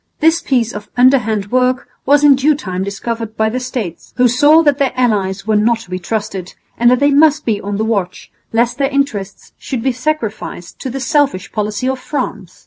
This piece of underhand work was in due time discovered by the States, who saw that their allies were not to be trusted and that they must be on the watch lest their interests should be sacrificed to the selfish policy of France.